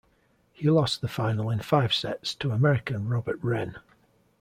He lost the final in five sets to American Robert Wrenn.